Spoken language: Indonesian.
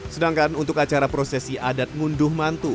sedangkan untuk acara prosesi adat ngunduh mantu